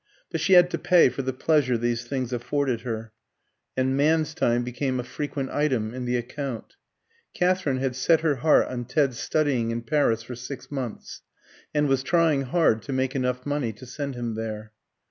But she had to pay for the pleasure these things afforded her, and "man's time" became a frequent item in the account. Katherine had set her heart on Ted's studying in Paris for six months, and was trying hard to make enough money to send him there.